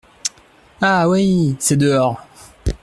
Ah ! oui !… c’est dehors !